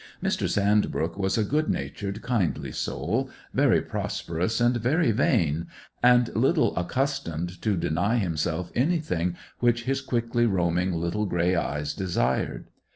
Mr. Sandbrook was a good natured, kindly soul, very prosperous and very vain, and little accustomed to deny himself anything which his quickly roaming little grey eyes desired.